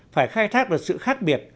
phải khai thác được sự khác biệt